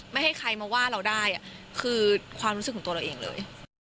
ให้ใครมาว่าเราได้คือความรู้สึกของตัวเราเองเลย